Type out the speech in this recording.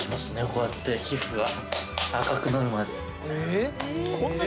こうやって皮膚が赤くなるまで。